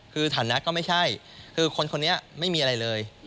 คือฐานะก็ไม่ใช่คือคนคนนี้ไม่มีอะไรเลย